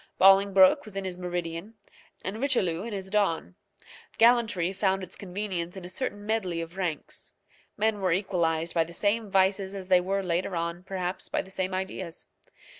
Bolingbroke was in his meridian, and Richelieu in his dawn. Gallantry found its convenience in a certain medley of ranks. Men were equalized by the same vices as they were later on, perhaps, by the same ideas.